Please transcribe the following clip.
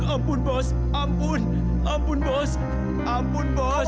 ampun bos ampun ampun bos ampun bos